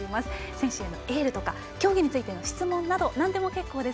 選手へのエールとか競技についての質問などなんでも結構です。